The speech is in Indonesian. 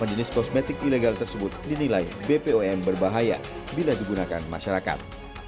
lima jenis kosmetik ilegal tersebut dinilai bpom berbahaya bila digunakan masyarakat